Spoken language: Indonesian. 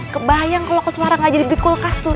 kebayang kalau kos marah gak jadi beli kulkas tuh